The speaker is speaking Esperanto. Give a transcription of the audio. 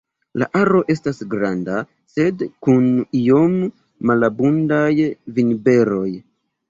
La aro estas granda sed kun iom malabundaj vinberoj.